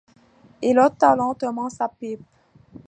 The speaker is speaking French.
Il ôta lentement sa pipe.